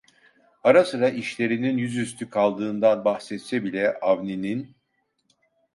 Ara sıra işlerinin yüzüstü kaldığından bahsetse bile, Avni'nin: